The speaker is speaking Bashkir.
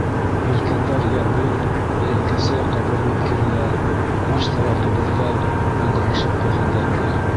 Елкәндәр йә бер, йә икенсе яҡҡа боролоп кирелә, мачталар дөбөрҙәй, ыңғырашып ҡуйғандай була.